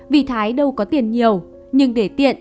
vì thái đâu có tiền nhiều nhưng để tiện